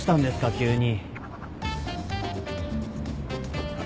急に。